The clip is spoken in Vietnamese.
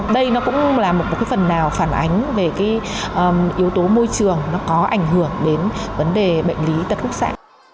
đây cũng là một phần nào phản ánh về yếu tố môi trường có ảnh hưởng đến vấn đề bệnh lý tật khúc xạ